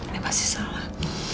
ini pasti salah